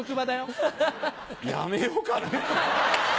やめようかな。